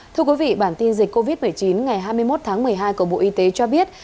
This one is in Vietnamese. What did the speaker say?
thưa quý vị bản tin dịch covid một mươi chín ngày hai mươi một tháng một mươi hai của bộ y tế cho biết